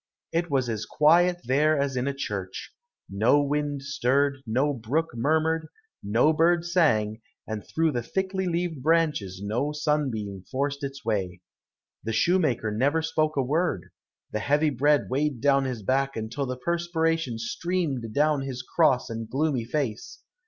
It was as quiet there as in a church. No wind stirred, no brook murmured, no bird sang, and through the thickly leaved branches no sunbeam forced its way. The shoemaker spoke never a word, the heavy bread weighed down his back until the perspiration streamed down his cross and gloomy face.